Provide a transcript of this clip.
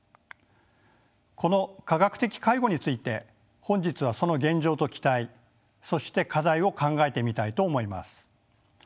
この科学的介護について本日はその現状と期待そして課題を考えてみたいと思います。